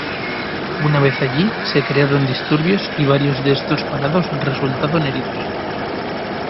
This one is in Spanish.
Una vez allí se crearon disturbios y varios de estos parados resultaron heridos.